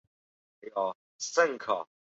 汉章帝命武威郡太守傅育为护羌校尉。